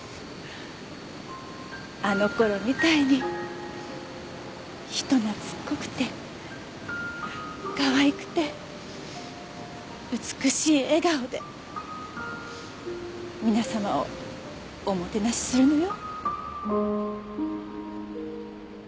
あのころみたいに人懐っこくてかわいくて美しい笑顔で皆さまをおもてなしするのよ。